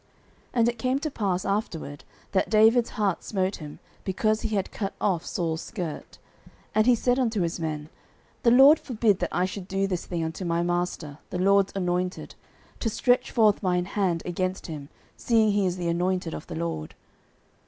09:024:005 And it came to pass afterward, that David's heart smote him, because he had cut off Saul's skirt. 09:024:006 And he said unto his men, The LORD forbid that I should do this thing unto my master, the LORD's anointed, to stretch forth mine hand against him, seeing he is the anointed of the LORD.